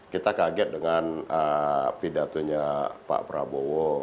kita kaget dengan pidatonya pak prabowo